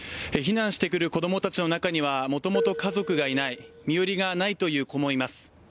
避難してくる子供たちの中にはもともと家族がいない、身寄りがないという子もいます。